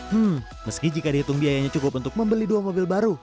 hmm meski jika dihitung biayanya cukup untuk membeli dua mobil baru